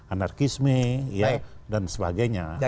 anarkisme dan sebagainya